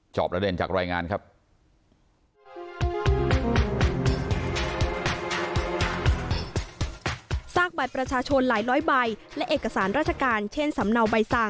อบระเด็นจากรายงานครับ